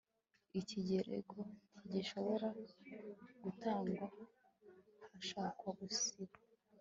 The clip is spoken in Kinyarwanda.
Ikirego ntigishobora gutangwa hashakwa gusiba